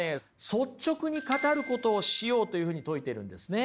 率直に語ることをしようというふうに説いてるんですね。